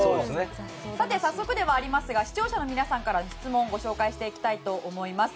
早速ではありますが視聴者の皆さんからの質問ご紹介していきます。